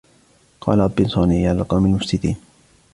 قَالَ رَبِّ انْصُرْنِي عَلَى الْقَوْمِ الْمُفْسِدِينَ